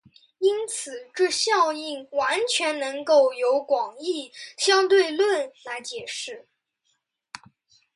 因此这效应完全能够由广义相对论来解释。